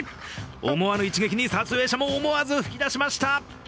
思わぬ一撃に撮影者も思わず吹き出しました。